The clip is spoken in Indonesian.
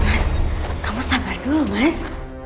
mas kamu sabar dulu mas